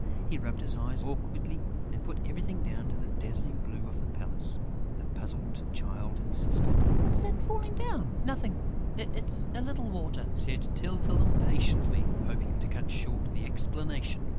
He rubbed his eyes awkwardly and put everything down to the dazzling blue of the palace. The puzzled Child insisted: "What's that falling down?" "Nothing; it's a little water," said Tyltyl, impatiently, hoping to cut short the explanation.